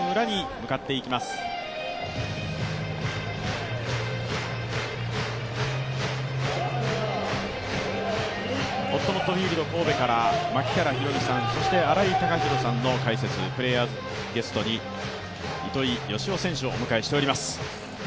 ほっともっとフィールド神戸から槙原寛己さん、そして新井貴浩さんの解説、プレーヤーゲストに糸井嘉男選手をお迎えしております。